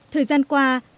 thời gian của hsdc map